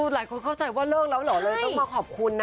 หลายคนเข้าใจว่าเลิกแล้วเหรอเลยต้องมาขอบคุณนะ